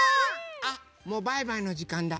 あっもうバイバイのじかんだ。